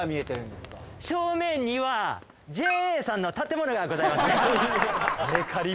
ＪＡさんの建物がございます。